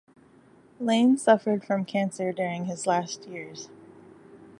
Layne suffered from cancer during his last years.